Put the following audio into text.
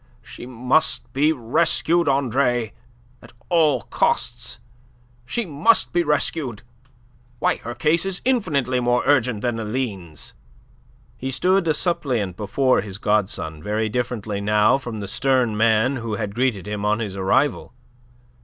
She must be rescued, Andre, at all costs she must be rescued! Why, her case is infinitely more urgent than Aline's!" He stood a suppliant before his godson, very different now from the stern man who had greeted him on his arrival.